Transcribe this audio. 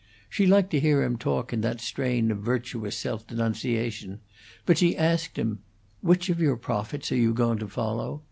She liked to hear him talk in that strain of virtuous self denunciation, but she asked him, "Which of your prophets are you going to follow?"